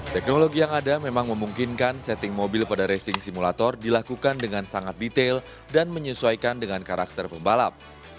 teknologi yang ada memang memungkinkan setting mobil pada racing simulator dilakukan dengan sangat detail dan menyesuaikan dengan karakter pembalap